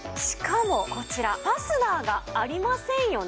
しかもこちらファスナーがありませんよね。